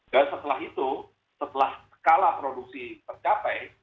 dan setelah itu setelah skala produksi tercapai